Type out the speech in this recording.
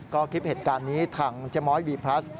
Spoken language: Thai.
ก็คลิปเหตุการณ์นี้ทางเจ๊ม้อยวีพลัส